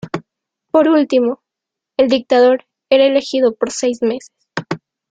Por último, el Dictador era elegido por seis meses.